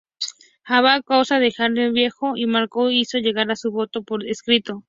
Abad a causa de hallarse viejo y manco, hizo llegar su voto por escrito.